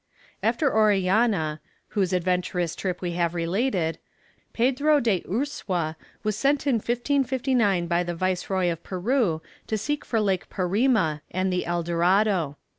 After Orellana, whose adventurous trip we have related, Pedro de Ursua was sent in 1559 by the Viceroy of Peru to seek for Lake Parima and the El Dorado.